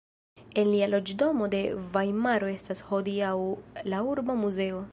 En lia loĝdomo en Vajmaro estas hodiaŭ la Urba muzeo.